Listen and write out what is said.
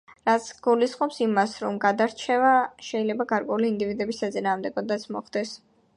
რაც გულისხმობს იმას, რომ გადარჩევა შეიძლება გარკვეულ ინდივიდების საწინააღმდეგოდაც მოხდეს.